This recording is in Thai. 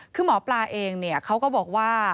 คือหมอปลาเองเขาก็บอกว่า